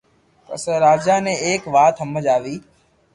پسي راجا ني ايڪ وات ھمج آوي